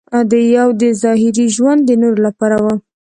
یو دې ظاهري ژوند د نورو لپاره و.